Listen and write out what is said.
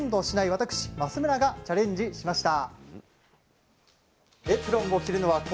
私増村がチャレンジしました。